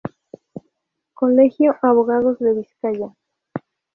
Colegio Abogados de Vizcaya.